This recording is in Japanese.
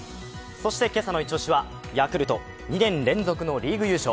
そして今朝の一押しはヤクルト２年連続のリーグ優勝。